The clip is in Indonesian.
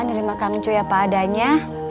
terima kasih ya pak adanya